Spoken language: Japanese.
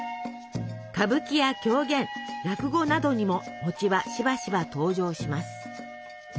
歌舞伎や狂言落語などにも餅はしばしば登場します。